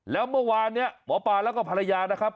แล้วเมื่อวานนี้หมอปลาแล้วก็ภรรยานะครับ